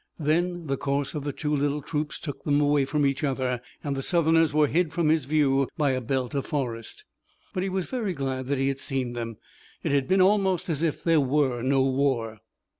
Then the course of the two little troops took them away from each other, and the Southerners were hid from his view by a belt of forest. But he was very glad that he had seen them. It had been almost as if there were no war.